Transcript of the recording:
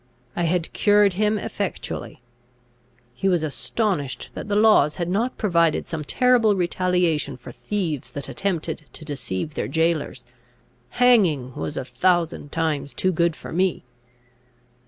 I had cured him effectually! He was astonished that the laws had not provided some terrible retaliation for thieves that attempted to deceive their jailors. Hanging was a thousand times too good for me!